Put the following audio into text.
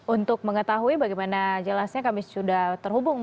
untuk mengetahui bagaimana jelasnya kami sudah terhubung